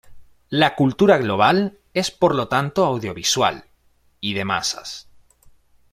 La cultura global es por lo tanto audiovisual, y de masas.